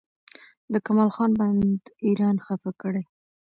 د کمال خان بند ایران خفه کړی؟